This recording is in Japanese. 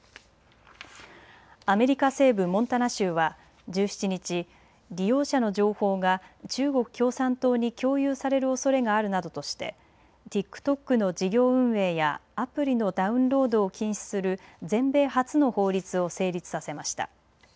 アメリカ西部モンタナ州は１７日、利用者の情報が中国共産党に共有されるおそれがあるなどとしてＴｉｋＴｏｋの事業運営やアプリのダウンロードを禁止する全米初の法律を成立させました。